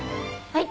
はい。